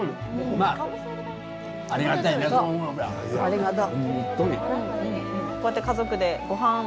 ありがとう。